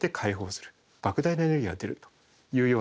ばく大なエネルギーが出るというようなことになります。